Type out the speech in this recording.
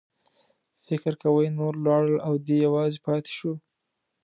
فکر کوي نور ولاړل او دی یوازې پاتې شو.